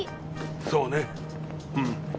そうねうん。